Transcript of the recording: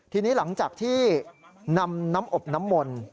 ทีนี้หลังจากที่นำน้ำอบน้ำมนต์